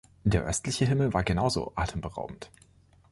Der östliche Himmel war genauso atemberaubend.